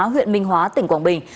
huyện minh hóa tỉnh quảng bình